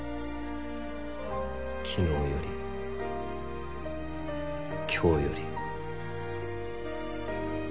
昨日より今日より。